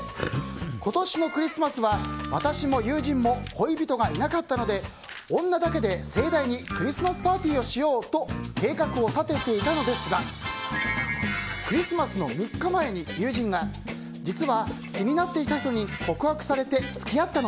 今年のクリスマスは、私も友人も恋人がいなかったので女だけで盛大にクリスマスパーティーをしようと計画を立てていたのですがクリスマスの３日前に、友人が実は気になっていた人に告白されて付き合ったの。